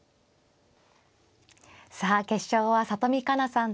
さあ決勝は里見香奈さん